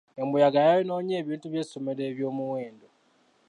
Embuyaga yayonoonye ebintu by'essomero eby'omuwendo.